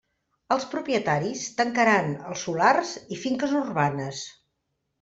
Els propietaris tancaran els solars i finques urbanes.